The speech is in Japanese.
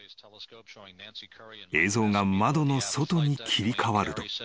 ［映像が窓の外に切り替わると］